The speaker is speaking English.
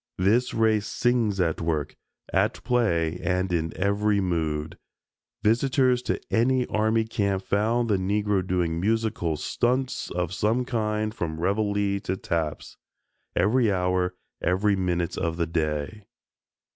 This race sings at work, at play and in every mood. Visitors to any army camp found the Negro doing musical "stunts" of some kind from reveille to taps every hour, every minute of the day.